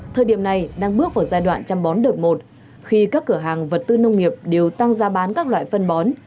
thời điểm này đang bước vào giai đoạn chăm bón đợt một khi các cửa hàng vật tư nông nghiệp đều tăng giá bán các loại phân bón